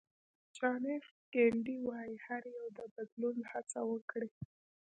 جان اېف کېنیډي وایي هر یو د بدلون هڅه وکړي.